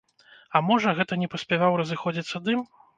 А можа, гэта не паспяваў разыходзіцца дым?